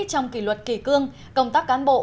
trong kỳ luật kỳ cương công tác cán bộ